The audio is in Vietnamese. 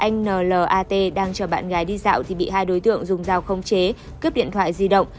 anh nlat đang chờ bạn gái đi dạo thì bị hai đối tượng dùng rào không chế cướp điện thoại di động